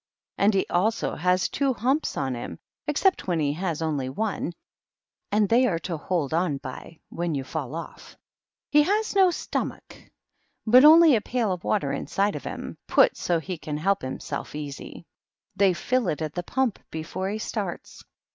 And he also has two humps on him, except when he has only one; and they are .to hold on by, when you fall off. He has ns stommickj but only a pail of water inside of hirriy put so he can help himself easy. They fill it at the pump before he starts.